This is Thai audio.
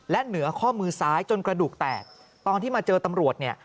และเหนือข้อมือซ้ายจนกระดูกแตกตอนที่มาเจอตำรวจเนี่ย